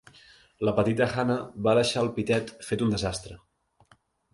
La petita Hannah va deixar el pitet fet un desastre.